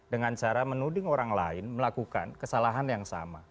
dengan cara menuding orang lain melakukan kesalahan yang sama